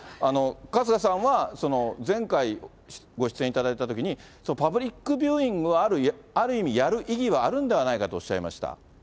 春日さんは、前回ご出演いただいたときに、パブリックビューイングは、ある意味、やる意義はあるんではないかとおっしゃいました。